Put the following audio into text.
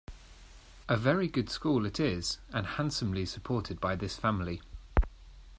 A very good school it is, and handsomely supported by this family.